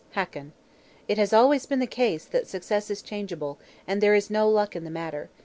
Hakon. "'It has always been the case that success is changeable; and there is no luck in the matter.